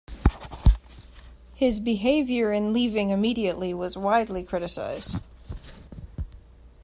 His behavior in leaving immediately was widely criticized.